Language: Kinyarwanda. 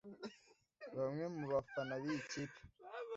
Bamwe mu bafana b’iyi kipe